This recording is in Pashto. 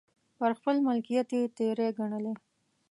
پر خپل ملکیت یې تېری ګڼلی.